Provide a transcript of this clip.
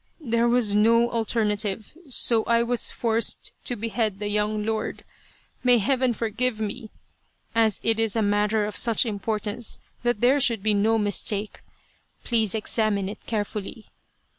" There was no alternative, so I was forced to be head the young lord. May Heaven forgive me ! As it is a matter of such importance that there should be no mistake please examine it carefully."